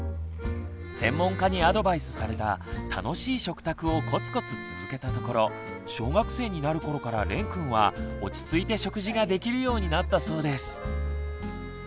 専門家にアドバイスされた「楽しい食卓」をコツコツ続けたところ小学生になる頃かられんくんは落ち着いて食事ができるようになったそうです。